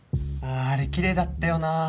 あれキレイだったよな